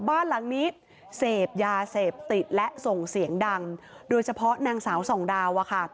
บ้านหลังนี้เสพยาเสพติดและส่งเสียงดังโดยเฉพาะนางสาวส่องดาวอะค่ะ